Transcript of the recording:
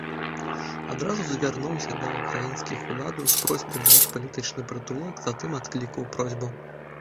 Адразу звярнуўся да ўкраінскіх уладаў з просьбай даць палітычны прытулак, затым адклікаў просьбу.